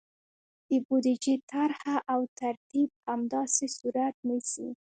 د بودیجې طرحه او ترتیب همداسې صورت نیسي.